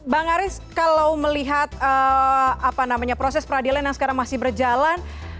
bang aris kalau melihat proses peradilan yang sekarang masih berjalan